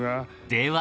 ［では］